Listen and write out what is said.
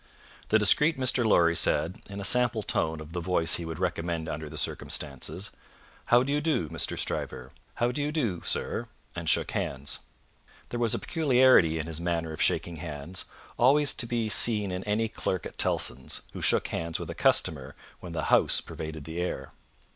The discreet Mr. Lorry said, in a sample tone of the voice he would recommend under the circumstances, "How do you do, Mr. Stryver? How do you do, sir?" and shook hands. There was a peculiarity in his manner of shaking hands, always to be seen in any clerk at Tellson's who shook hands with a customer when the House pervaded the air.